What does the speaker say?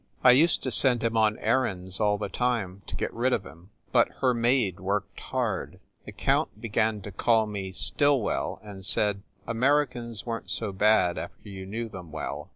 I used to send him on errands all the time to get rid of him, but her maid worked hard. The count began to call me Stillwell and said Americans weren t so bad after you knew them well.